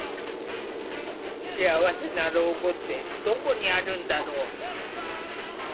幸せな老後ってどこにあるんだろう？